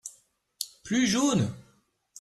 Plus jaune.